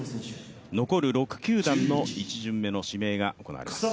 残る６球団の１巡目の指名が行われます。